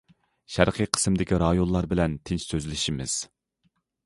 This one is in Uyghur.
شەرقى قىسىمدىكى رايونلار بىلەن تىنچ سۆزلىشىمىز.